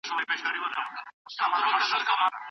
د مغولو تګلاره د محلي حاکمانو لخوا عملي سوه.